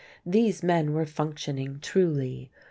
These men were functioning truly.